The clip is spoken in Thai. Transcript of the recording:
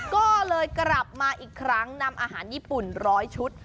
ก็เลยกลับมาอีกครั้งนำอาหารญี่ปุ่น๑๐๐ชุด